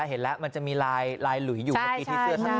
เห็นแล้วมันจะมีลายหลุยอยู่เมื่อกี้ที่เสื้อท่าน